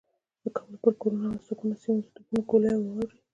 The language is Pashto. د کابل پر کورونو او هستوګنو سیمو د توپونو ګولۍ و اوروي.